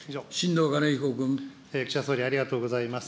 岸田総理、ありがとうございます。